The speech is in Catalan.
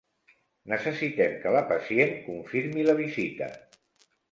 Necessitem que la pacient confirmi la visita.